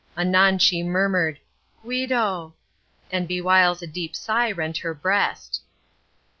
Anon she murmured, "Guido"—and bewhiles a deep sigh rent her breast.